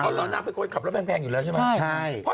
เพราะนางเป็นคนขับรถแพงอยู่แล้วใช่ไหม